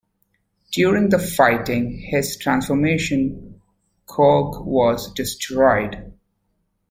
During the fighting, his Transformation Cog was destroyed.